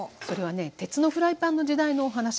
それはね鉄のフライパンの時代のお話。